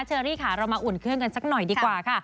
เชอรี่ค่ะเรามาอุ่นเครื่องกันสักหน่อยดีกว่าค่ะ